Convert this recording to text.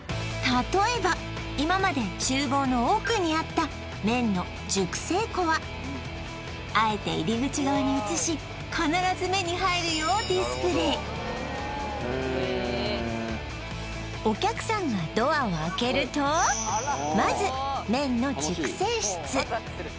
例えば今まで厨房の奥にあった麺の熟成庫はあえて入り口側に移し必ず目に入るようディスプレイへえお客さんがドアを開けるとまず麺の熟成室